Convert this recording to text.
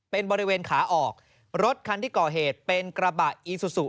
เป็นบริเวณขาออกรถคันที่ก่อเหตุเป็นกระบะอีซูซู